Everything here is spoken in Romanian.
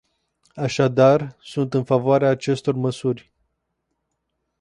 Așadar, sunt în favoarea acestor măsuri.